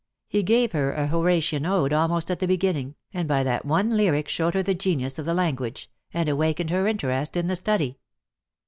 He gave her a Horatian ode almost at the beginning, and by that one lyric showed her the genius of the language, and awakened her interest in the study.